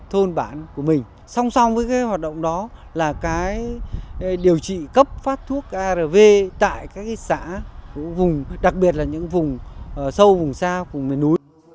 hoạt động đó là điều trị cấp phát thuốc arv tại các xã đặc biệt là những vùng sâu vùng xa vùng miền núi